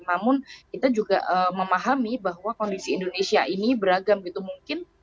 namun kita juga memahami bahwa kondisi indonesia ini beragam gitu mungkin